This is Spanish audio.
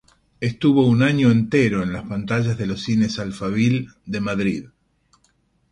Estuvo un año entero en las pantallas de los cines Alphaville de Madrid.